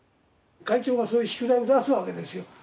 会長がそういう宿題を出すわけですよ。